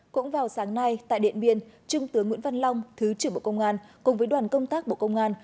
cũng vào sáng nay tại điện biên trung tướng nguyễn văn long thứ trưởng bộ công an cùng với đoàn công tác bộ công an